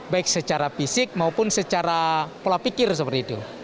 baik secara fisik maupun secara pola pikir seperti itu